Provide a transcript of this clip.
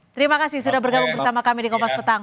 terima kasih sudah bergabung bersama kami di kompas petang